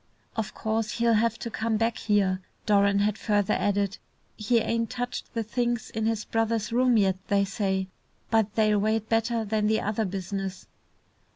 "Of course he'll have to come back here," Doran had further added. "He ain't touched the things in his brother's rooms yet, they say. But they'll wait better than the other business."